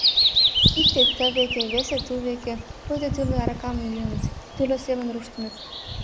Икте — тывеке, весе — тувеке, пуйто тӱрлӧ аракам йӱыныт, тӱрлӧ семын руштыныт.